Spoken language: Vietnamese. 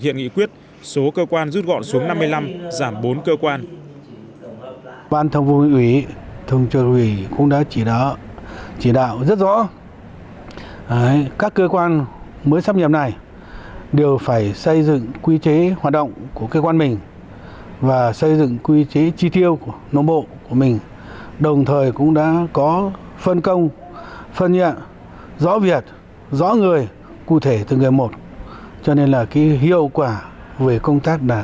nếu như trước đây khi chưa thực hiện hai nghị quyết số cơ quan rút gọn xuống năm mươi năm giảm bốn cơ quan